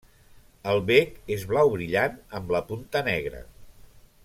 El bec és blau brillant amb la punta negra.